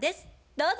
どうぞ。